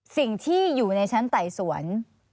สิ่งที่อยู่ในชั้นไต่สวน